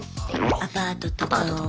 アパートとか。